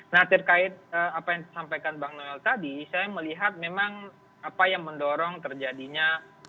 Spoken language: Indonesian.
nah terkait apa yang disampaikan bang noel tadi saya melihat memang apa yang mendorong terjadinya